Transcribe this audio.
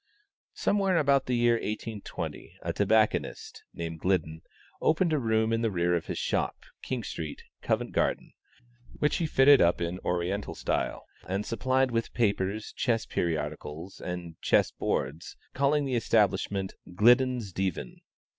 Somewhere about the year 1820, a tobacconist, named Gliddon, opened a room in the rear of his shop, King Street, Covent Garden, which he fitted up in Oriental style, and supplied with papers, chess periodicals and chess boards, calling the establishment "Gliddon's Divan."